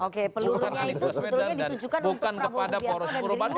oke pelurunya itu sebetulnya ditujukan untuk prabowo sudianto dan rindra